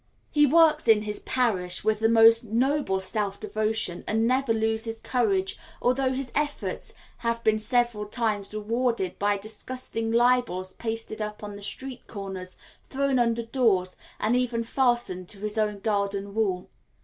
He works in his parish with the most noble self devotion, and never loses courage, although his efforts have been several times rewarded by disgusting libels pasted up on the street corners, thrown under doors, and even fastened to his own garden wall.